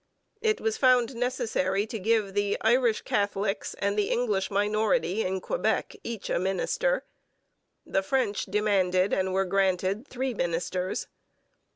It was found necessary to give the Irish Catholics and the English minority in Quebec each a minister. The French demanded and were granted three ministers.